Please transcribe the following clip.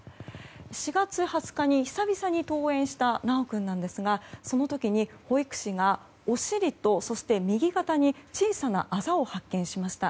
４月２０日に久々に登園した修君ですがその時に保育士がお尻とそして右肩に小さなあざを発見しました。